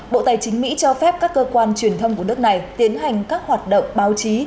bộ tài chính mỹ cho phép các cơ quan truyền thông của nước này tiến hành các hoạt động báo chí